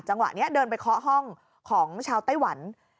จังหวะนี้เดินไปเคาะห้องของชาวไต้หวัน